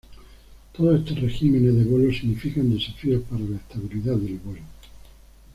Todos estos regímenes de vuelo significan desafíos para la estabilidad del vuelo.